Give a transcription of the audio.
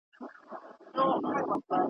څوچي څاڅکي ترې تویېږي `